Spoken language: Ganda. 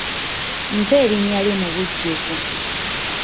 Mpa erinnya lyo mu bujjuvu